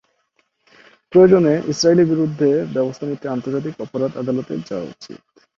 প্রয়োজনে ইসরাইলে বিরুদ্ধে ব্যবস্থা নিতে আন্তর্জাতিক অপরাধ আদালতে যাওয়া উচিৎ।